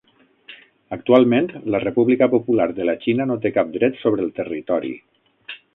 Actualment, la República Popular de la Xina no té cap dret sobre el territori.